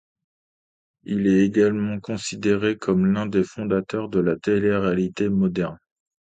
Il est également considéré comme l'un des fondateurs de la téléréalité moderne.